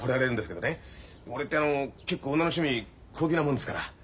俺ってあの結構女の趣味高級なもんですから。